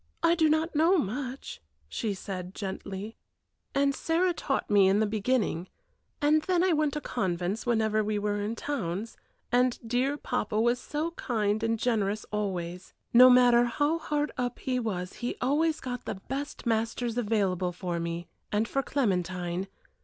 I do not know much," she said, gently, "and Sarah taught me in the beginning, and then I went to convents whenever we were in towns, and dear papa was so kind and generous always; no matter how hard up he was he always got the best masters available for me and for Clementine.